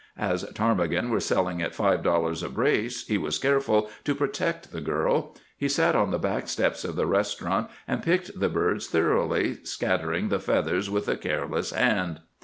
As ptarmigan were selling at five dollars a brace, he was careful to protect the girl; he sat on the back steps of the restaurant and picked the birds thoroughly, scattering the feathers with a careless hand.